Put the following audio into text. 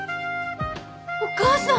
お母さん！